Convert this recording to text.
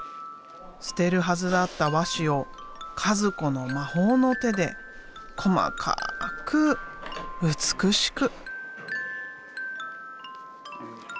捨てるはずだった和紙を和子の魔法の手で細かく美しく。